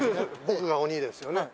僕が鬼ですよね。